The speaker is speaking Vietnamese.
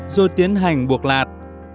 rồi tiến hành buộc lạt